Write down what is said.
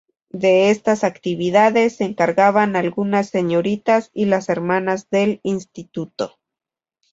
De estas actividades se encargaban algunas señoritas y las hermanas del Instituto.